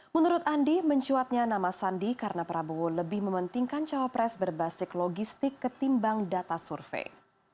menurut andi mencuatnya nama sandi karena prabowo lebih mementingkan cawapres berbasis logistik ketimbang data survei